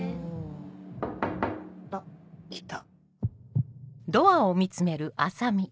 あっ来た。